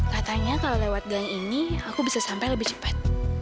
katanya kalau lewat gang ini aku bisa sampai lebih cepat